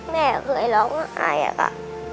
แม่เคยร้องอายอะค่ะ